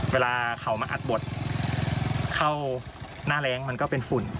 เวลาเขามาอัดบทเข้าหน้าแรงมันก็เป็นฝุ่น